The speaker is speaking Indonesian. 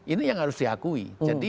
ini yang harus diakui